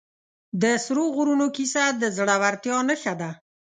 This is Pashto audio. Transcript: د سرو غرونو کیسه د زړه ورتیا نښه ده.